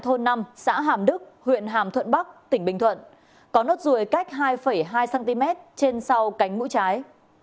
thôn năm xã hàm đức huyện hàm thuận bắc tỉnh bình thuận có nốt ruồi cách hai hai cm trên sau cánh mũi trái